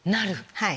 はい。